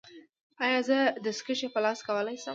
ایا زه دستکشې په لاس کولی شم؟